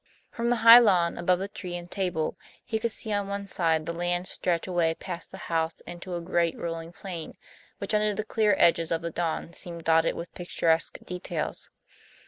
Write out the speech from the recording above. From the high lawn, above the tree and table, he could see on one side the land stretch away past the house into a great rolling plain, which under the clear edges of the dawn seemed dotted with picturesque details.